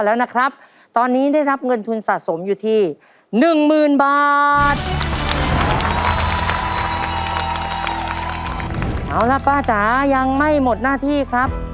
เอาล่ะป้าจ๋ายังไม่หมดหน้าที่ครับ